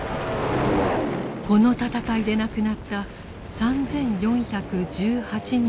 この戦いで亡くなった３４１８人の調査です。